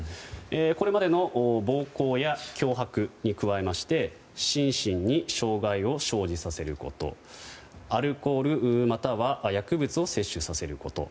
これまでの暴行や脅迫に加え心身に障害を生じさせることアルコールまたは薬物を摂取させること